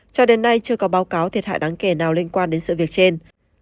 cho đến nay chưa có báo cáo thiệt hại đáng kể nào liên quan đến sự việc trên